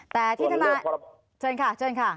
แต่ที่ที่ทางนี้